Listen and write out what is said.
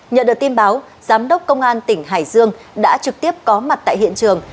nhận được tin báo giám đốc công an tỉnh hải dương đã trực tiếp có mặt tại hiện trường